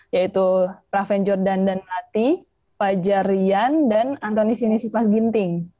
yaitu raven jordan dan mati pak jarian dan antonis sinisipas ginting